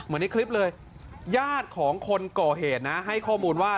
ในคลิปเลยญาติของคนก่อเหตุนะให้ข้อมูลว่า